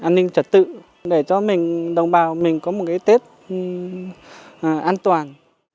để an ninh trật tự để cho đồng bào có một tết an toàn